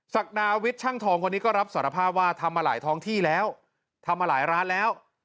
ศักดาวิทย์ช่างทองคนนี้ก็รับสารภาพว่าทำมาหลายท้องที่แล้วทำมาหลายร้านแล้ว